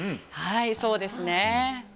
そうですね。